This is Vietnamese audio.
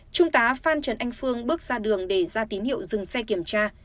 trung tá phan trần anh phương bước ra đường để ra tín hiệu dừng xe kiểm tra